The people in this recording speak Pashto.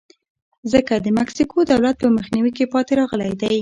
ځکه د مکسیکو دولت په مخنیوي کې پاتې راغلی دی.